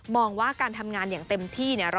มองว่าการทำงานอย่างเต็มที่เนี่ย